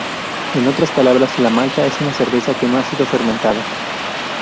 En otras palabras, la malta es una cerveza que no ha sido fermentada.